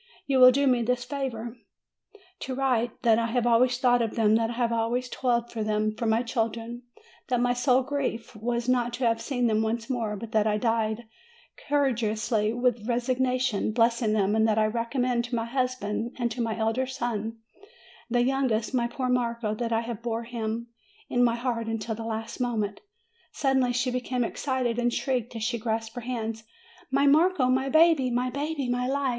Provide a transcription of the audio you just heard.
You will do me the favor to write that I have always thought of them, that I have always toiled for them for my children that my sole grief was not to have seen them once more but that I died courageously with resignation blessing them; and that I recommend to my husband and to my elder son the youngest, my poor Marco that I bore him in my heart until the last mo ment " suddenly she became excited, and shrieked, as she clasped her hands : "My Marco, my baby, my baby ! My life!"